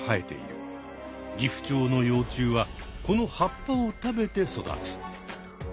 ギフチョウの幼虫はこの葉っぱを食べて育つ。